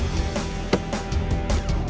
ini harga yang sama